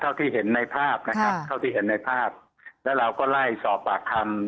ที่เห็นในภาพนะครับเท่าที่เห็นในภาพแล้วเราก็ไล่สอบปากคำ